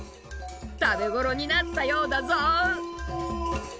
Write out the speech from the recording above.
食べ頃になったようだぞ。